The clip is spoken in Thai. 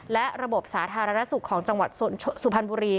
และระบบสาธารณสุขของจังหวัดสุพรรณบุรี